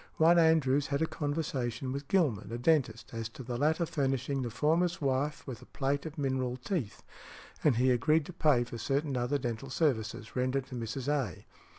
One Andrews had a conversation with Gilman, a dentist, as to the latter furnishing the former's wife with a plate of mineral teeth, and he agreed to pay for certain other dental services rendered to Mrs. A.